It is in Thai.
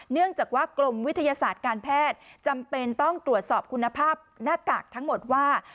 เนื่องจากว่ากรมวิทยาศาสตร์การแพทย์จำเป็นต้องตรวจสอบคุณภาพหน้ากากทั้งหมดว่า